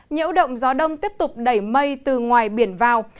nhiễu động gió đông tiếp tục đẩy mây từ ngoài biển vào